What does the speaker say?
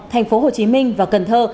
thành phố hồ chí minh và cần thơ